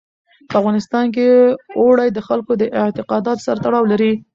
په افغانستان کې اوړي د خلکو د اعتقاداتو سره تړاو لري.